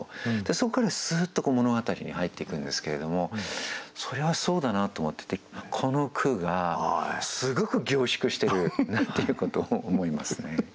そこからすっと物語に入っていくんですけれどもそれはそうだなと思っててこの句がすごく凝縮してるなっていうことを思いますね。